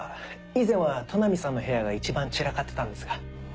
以前は都波さんの部屋が一番散らかってたんですが。